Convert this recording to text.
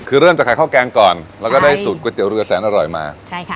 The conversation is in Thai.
คือเริ่มจากขายข้าวแกงก่อนแล้วก็ได้สูตรก๋วยเตี๋ยวเรือแสนอร่อยมาใช่ค่ะ